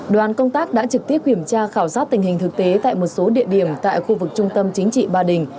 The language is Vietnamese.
đoàn công tác đã trực tiếp kiểm tra khảo sát tình hình thực tế tại một số địa điểm tại khu vực trung tâm chính trị ba đình